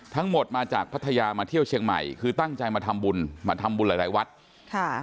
ทั้งหมดมาจากพัทยามาเที่ยวเชียงใหม่คือตั้งใจมาทำบุญมาทำบุญหลายหลายวัดค่ะ